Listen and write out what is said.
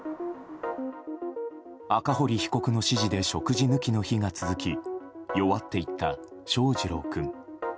赤堀被告の指示で食事抜きの日が続き弱っていった翔士郎君。